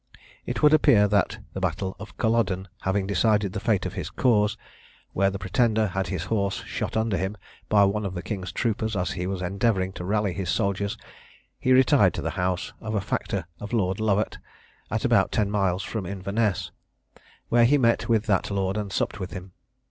It would appear that the battle of Culloden having decided the fate of his cause, where the Pretender had his horse shot under him by one of the king's troopers as he was endeavouring to rally his soldiers, he retired to the house of a factor of Lord Lovat, at about ten miles from Inverness, where he met with that lord and supped with him.